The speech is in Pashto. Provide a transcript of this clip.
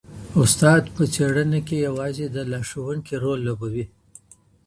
استاد په څېړنه کي یوازي د لارښوونکي رول لوبوي.